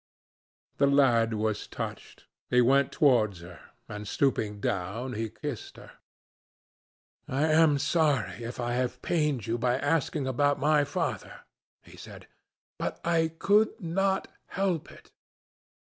The lad was touched. He went towards her, and stooping down, he kissed her. "I am sorry if I have pained you by asking about my father," he said, "but I could not help it.